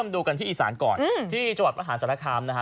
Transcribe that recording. ดูกันที่อีสานก่อนที่จังหวัดมหาศาลคามนะฮะ